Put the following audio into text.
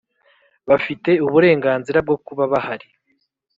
bafite uburenganzira bwo kuba bahari